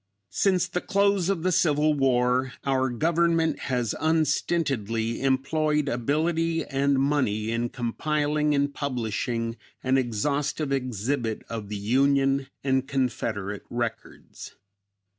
Since the close of the Civil War our government has unstintedly employed ability and money in compiling and publishing an exhaustive exhibit of the Union and Confederate records.